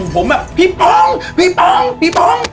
ผมแบบพี่ป๋อม